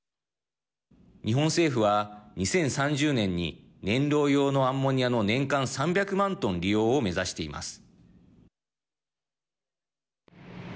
日本政府は、２０３０年に燃料用のアンモニアの年間３００万トン利用を目指しています。